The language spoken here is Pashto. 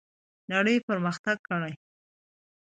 نړۍ پرمختګ کړی.